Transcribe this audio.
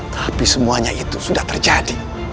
tapi semuanya itu sudah terjadi